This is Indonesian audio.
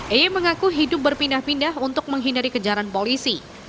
eye mengaku hidup berpindah pindah untuk menghindari kejaran polisi